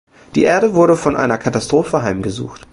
Die Erde wurde von einer Katastrophe heimgesucht.